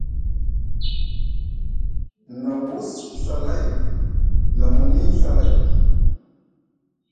Na wus Ɵa lay, na muni Ɵa lay.